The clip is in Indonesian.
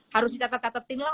harus kita tetap tetapin lah